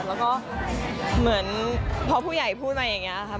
แล้วก็เหมือนพอผู้ใหญ่พูดมาอย่างนี้ครับ